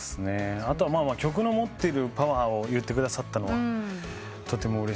後は曲の持ってるパワーを言ってくださったのはとてもうれしいことで。